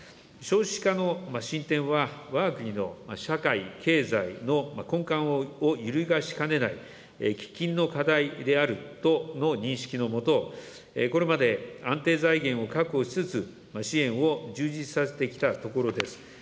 少子化の進展はわが国の社会、経済の根幹を揺るがしかねない喫緊の課題であるとの認識の下、これまで安定財源を確保しつつ、支援を充実させてきたところです。